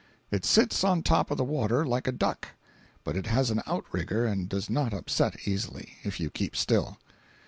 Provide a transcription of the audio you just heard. It sits on top of the water like a duck, but it has an outrigger and does not upset easily, if you keep still.